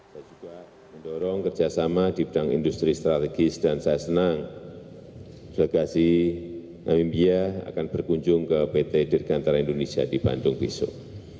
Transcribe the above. saya juga mendorong kerjasama di bidang industri strategis dan saya senang delegasi namimbia akan berkunjung ke pt dirgantara indonesia di bandung besok